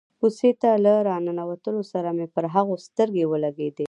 کوڅې ته له را ننوتلو سره مې پر هغو خلکو سترګې ولګېدې.